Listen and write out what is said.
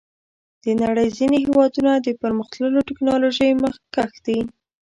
د نړۍ ځینې هېوادونه د پرمختللو ټکنالوژیو مخکښ دي.